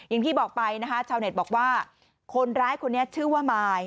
อย่างที่บอกไปนะคะชาวเน็ตบอกว่าคนร้ายคนนี้ชื่อว่ามาย